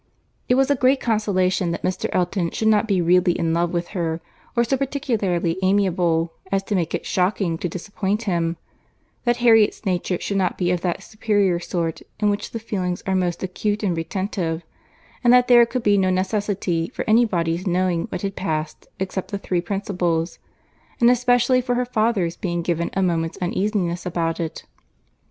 It was a great consolation that Mr. Elton should not be really in love with her, or so particularly amiable as to make it shocking to disappoint him—that Harriet's nature should not be of that superior sort in which the feelings are most acute and retentive—and that there could be no necessity for any body's knowing what had passed except the three principals, and especially for her father's being given a moment's uneasiness about it.